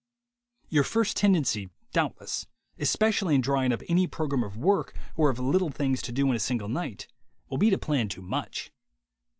Your first tendency, doubtless, especially in drawing up any program of work or of little things to do in a single night, will be to plan too much.